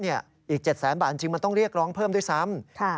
อีก๗แสนบาทจริงมันต้องเรียกร้องเพิ่มด้วยซ้ำ